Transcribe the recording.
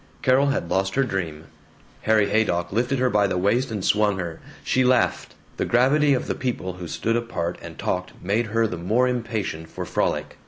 Carol had lost her dream. Harry Haydock lifted her by the waist and swung her. She laughed. The gravity of the people who stood apart and talked made her the more impatient for frolic.